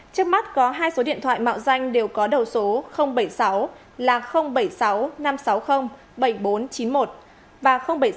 trước mắt có hai số điện thoại mạo danh đều có đầu số bảy mươi sáu bảy mươi sáu năm trăm sáu mươi bảy nghìn bốn trăm chín mươi một và bảy mươi sáu tám trăm bảy mươi hai một nghìn tám trăm hai mươi năm